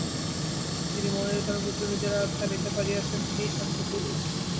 যিনি মনের এই তরঙ্গগুলি নিজের আয়ত্তে আনিতে পারিয়াছেন, তিনিই শান্ত পুরুষ।